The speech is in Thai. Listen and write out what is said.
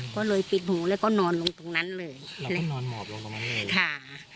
ก็เลยปิดหูแล้วก็นอนลงตรงนั้นเลยแล้วก็นอนหมอบลงตรงนั้นเลยค่ะ